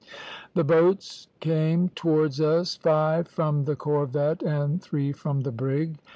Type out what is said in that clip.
"The boats came towards us, five from the corvette and three from the brig.